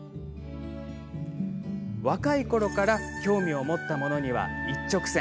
若いころから興味を持ったものには一直線。